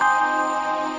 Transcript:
gak ada yang pilih